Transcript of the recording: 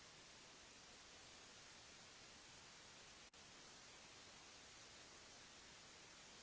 เมื่อเวลาอันดับสุดท้ายมันกลายเป็นภูมิที่สุดท้าย